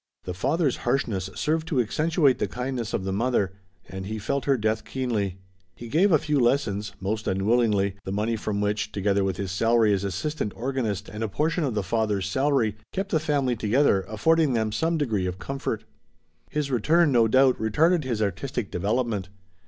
The father's harshness served to accentuate the kindness of the mother, and he felt her death keenly. He gave a few lessons, most unwillingly, the money from which, together with his salary as assistant organist and a portion of the father's salary, kept the family together, affording them some degree of comfort. His return, no doubt, retarded his artistic development.